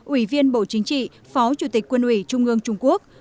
ủy viên bộ chính trị phó chủ tịch quân ủy trung ương trung quốc